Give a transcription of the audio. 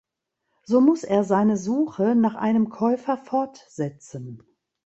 So muss er seine Suche nach einem Käufer fortsetzen.